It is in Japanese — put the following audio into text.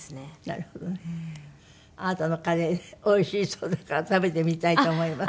なるほどね。あなたのカレーおいしそうだから食べてみたいと思います。